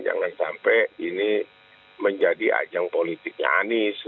jangan sampai ini menjadi ajang politiknya anies